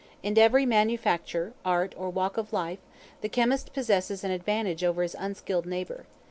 In every manufacture, art, or walk of life, the chemist possesses an advantage over his unskilled neighbor.